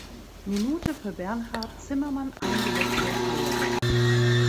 Minute für Bernhard Zimmermann eingewechselt wurde.